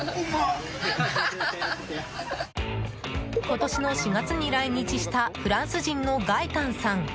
今年の４月に来日したフランス人のガエタンさん。